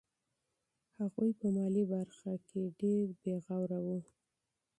هغوی په مالي برخه کې ډېر بې پروا وو.